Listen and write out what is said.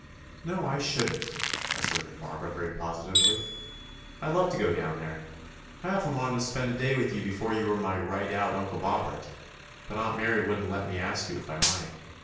"No, I should n't," asserted Bar bara very positively. "I love to go down there. I often wanted to spend a day with you before you were my right out Uncle Bobbert, but Aunt Mary would n't let me ask you if I might.